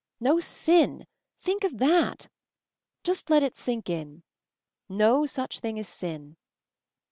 No 'sin* — think of that I Just let it sink in. No such thing as sin.